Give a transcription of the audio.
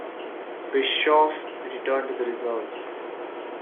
Bischoff returned to the reserves.